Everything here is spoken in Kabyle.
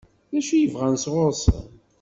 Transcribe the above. D acu i bɣan sɣur-sen?